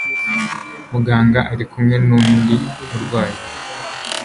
Muganga ari kumwe nundi murwayi.